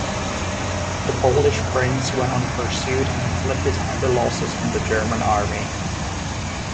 The Polish prince went on pursuit, and inflicted heavy losses on the German army.